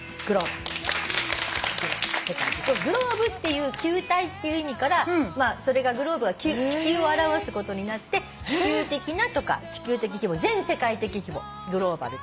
グローブっていう球体っていう意味からそれが地球を表すことになって地球的なとか地球的規模全世界的規模グローバル。